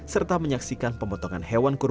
serta menyaksikan pembentangan masjid